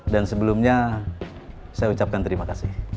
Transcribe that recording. dan sebelumnya saya ucapkan terima kasih